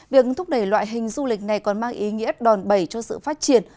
việc thúc đẩy loại hình du lịch này còn mang ý nghĩa đòn bẩy cho sự phát triển